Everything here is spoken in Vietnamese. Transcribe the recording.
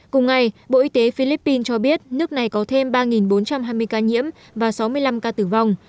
cùng ngày bộ y tế philippines cho biết nước này có thêm ba bốn trăm hai mươi ca nhiễm và sáu mươi năm ca tử vong